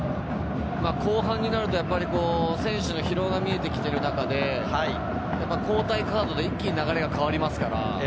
後半になると、やっぱり選手の疲労が見えてきている中で、交代カードで一気に流れが変わりますから。